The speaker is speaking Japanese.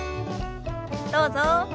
どうぞ。